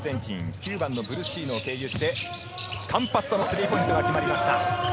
９番のブルッシーノを経由して、カンパッソのスリーポイントが決まりました。